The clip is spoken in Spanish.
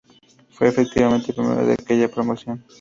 Fue, efectivamente, el primero de aquella promoción.